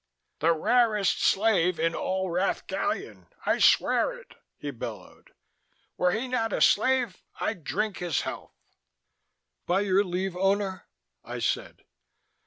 "The rarest slave in all Rath Gallion, I swear it," he bellowed. "Were he not a slave, I'd drink his health." "By your leave, Owner?" I said.